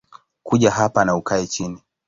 Kuja hapa na ukae chini